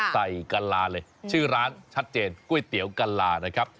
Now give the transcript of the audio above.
กะลาเลยชื่อร้านชัดเจนก๋วยเตี๋ยวกะลานะครับ